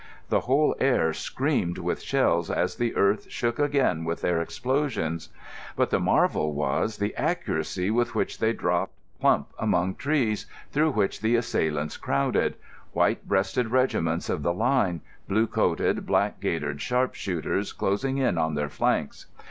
The whole air screamed with shells as the earth shook again with their explosions. But the marvel was the accuracy with which they dropped, plump among trees through which the assailants crowded—white breasted regiments of the line, blue coated, black gaitered, sharpshooters closing in on their flanks.